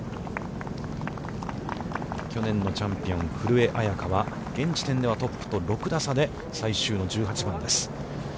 去年のチャンピオン古江彩佳は、現時点ではトップと６打差で、最終の１８番です。